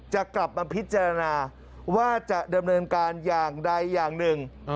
จะกลับมาพิจารณาว่าจะดำเนินการอย่างใดอย่างหนึ่ง